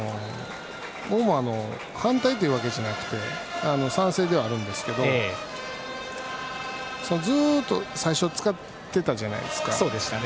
僕も反対というわけじゃなくて賛成ではあるんですけどずっと最初使っていたじゃないですか。